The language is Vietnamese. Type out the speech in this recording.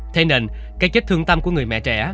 thế nên cái chết thương tâm của người mẹ trẻ